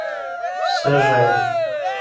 سږی